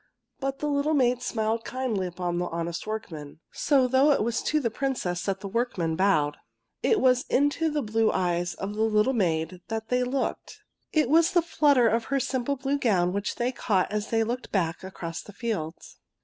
But the little maid smiled kindly upon the honest workmen. So though it was to the Princess that the workmen bowed, it was into the blue eyes of the little maid that they looked. It was the flutter of her simple blue gown which they caught as they looked back across the fields.